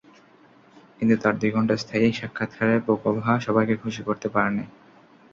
কিন্তু তাঁর দুই ঘণ্টা স্থায়ী সাক্ষাৎকারে বোকোভা সবাইকে খুশি করতে পারেননি।